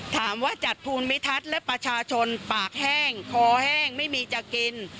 ถามว่าจัดภูมิทัศน์และประชาชนปากแห้งคอแห้งไม่มีจะกิน